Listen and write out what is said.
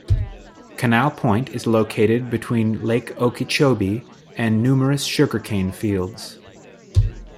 Canal Point is located between Lake Okeechobee and numerous sugarcane fields.